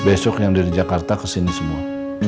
besok yang dari jakarta kesini semua